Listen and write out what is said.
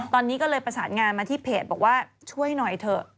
ตอนนี้ก็เลยประสานงานมาที่เพจบอกว่าช่วยหน่อยเถอะ